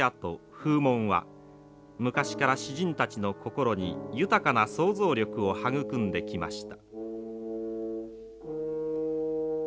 風紋は昔から詩人たちの心に豊かな想像力を育んできました。